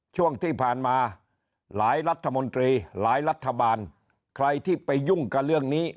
ช่วงที่ผ่านมาหลายรัฐมนตรีหลายรัฐบาลใครที่ไปยุ่งกับเรื่องนี้